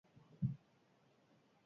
Formazio espezializatua eta ofiziala da.